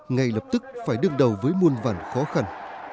ngay lập tức phải đương đầu với muôn vàn khó khăn